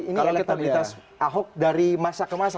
ini elektabilitas ahok dari masa ke masa